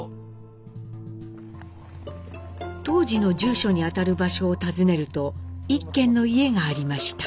当時の住所にあたる場所を訪ねると１軒の家がありました。